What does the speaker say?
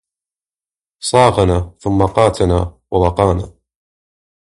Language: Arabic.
صاغنا ثم قاتنا ووَقانا